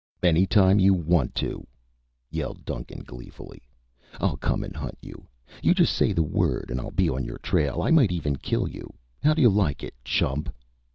"Anytime you want to," yelled Duncan gleefully, "I'll come and hunt you! You just say the word and I'll be on your tail. I might even kill you. How do you like it, chump!"